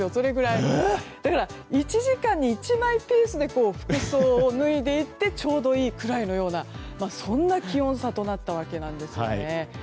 １時間に１枚ペースで服装を脱いでいってちょうどいいくらいのような気温差となったわけなんです。